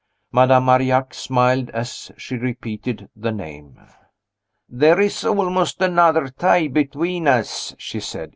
Madame Marillac smiled as she repeated the name. "There is almost another tie between us," she said.